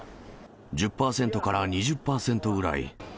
１０％から２０％ぐらい。